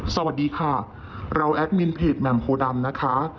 สวัสดีค่ะเราแอดมินเพจแหม่มโพดำนะคะ